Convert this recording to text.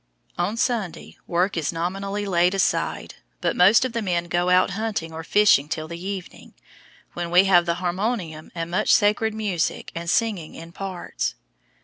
On Sunday work is nominally laid aside, but most of the men go out hunting or fishing till the evening, when we have the harmonium and much sacred music and singing in parts.